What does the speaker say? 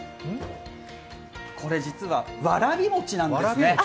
これ実はわらび餅なんですね。